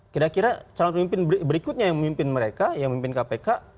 kira kira calon pemimpin berikutnya yang memimpin mereka yang memimpin kpk